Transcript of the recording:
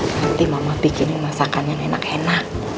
nanti mama bikin masakan yang enak enak